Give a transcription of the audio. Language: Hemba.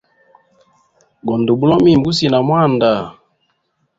Go nduwa bulomo mimi gusinamwanda.